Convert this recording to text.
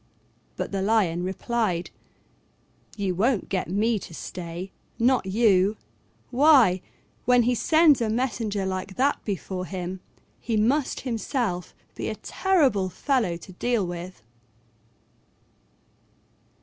But the Lion replied, "You won't get me to stay, not you: why, when he sends a messenger like that before him, he must himself be a terrible fellow to deal with."